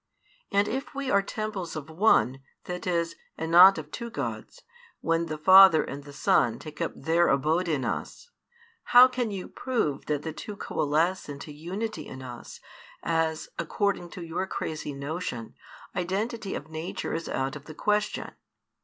And if we are temples of one, that is, and not of two Gods, when the Father and the Son take up Their abode in us, how can you prove that the two coalesce |332 unto unity in us, as, according to your crazy notion, identity of nature is out of the question?